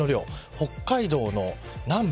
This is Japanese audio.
北海道の南部